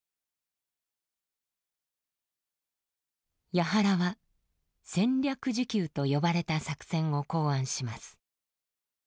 八原は「戦略持久」と呼ばれた作戦を考案します。